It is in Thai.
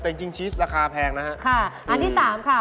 แต่จริงชีสราคาแพงนะฮะค่ะอันที่สามค่ะ